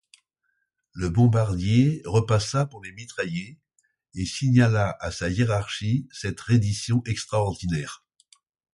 Le bombardier repassa pour les mitrailler, et signala à sa hiérarchie cette reddition extraordinaire.